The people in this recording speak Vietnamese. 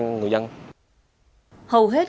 hầu hết người dân không có thủ đoạn